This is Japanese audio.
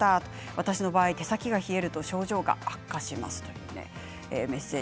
私の場合、手先が冷えると症状が悪化しますというメッセージ。